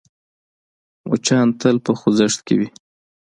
مچان تل په خوځښت کې وي